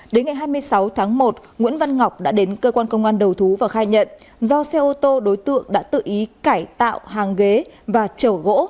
đến ngày hai mươi sáu tháng một nguyễn văn ngọc đã đến cơ quan công an đầu thú và khai nhận do xe ô tô đối tượng đã tự ý cải tạo hàng ghế và trở gỗ